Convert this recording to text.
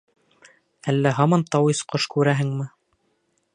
Әллә һаман тауис ҡош күрәһеңме?